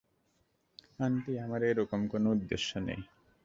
Aunty, আমার এরকম কোন উদ্দেশ্য নেই।